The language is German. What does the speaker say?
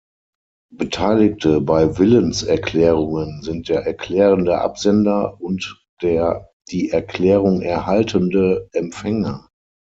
Beteiligte bei Willenserklärungen sind der erklärende Absender und der die Erklärung erhaltende Empfänger.